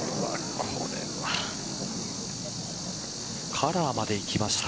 カラーまでいきました。